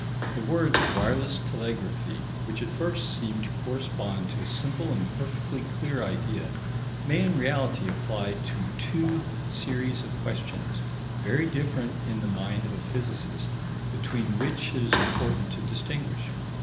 The words "wireless telegraphy," which at first seem to correspond to a simple and perfectly clear idea, may in reality apply to two series of questions, very different in the mind of a physicist, between which it is important to distinguish.